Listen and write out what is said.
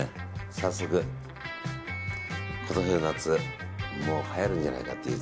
早速、今年の夏もうはやるんじゃないかっていう。